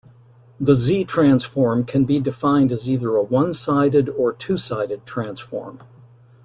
The Z-transform can be defined as either a "one-sided" or "two-sided" transform.